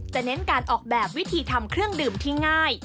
เน้นการออกแบบวิธีทำเครื่องดื่มที่ง่าย